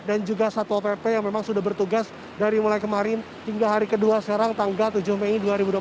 juga satwa pp yang memang sudah bertugas dari mulai kemarin hingga hari kedua sekarang tanggal tujuh mei dua ribu dua puluh satu